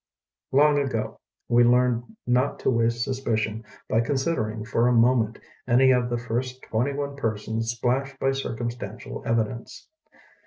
Long ago we learned not to waste suspicion by considering for a moment any of the first twenty one persons splashed by circumstantial evidence.